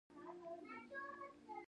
فيل او غر سره وجنګوي.